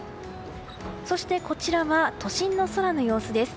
そしてこちらは都心の空の様子です。